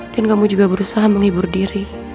dan kamu juga berusaha menghibur diri